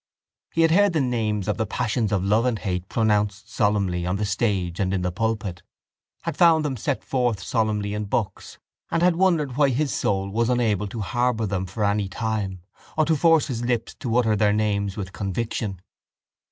He had heard the names of the passions of love and hate pronounced solemnly on the stage and in the pulpit, had found them set forth solemnly in books and had wondered why his soul was unable to harbour them for any time or to force his lips to utter their names with conviction.